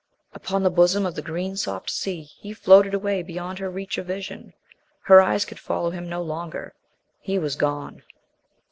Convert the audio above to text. Upon the bosom of the green soft sea he floated away beyond her reach of vision. Her eyes could follow him no longer. He was gone.